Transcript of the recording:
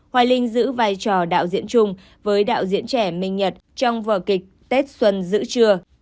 hoài linh giữ vai trò đạo diễn chung với đạo diễn trẻ minh nhật trong vở kịch tết xuân giữ trưa